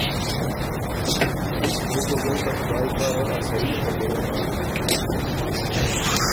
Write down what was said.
او بو ګه ته خدایٛ پاره ا سهي خبُره داک